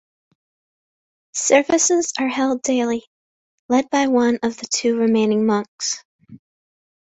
Services are held daily, led by one of the two remaining monks.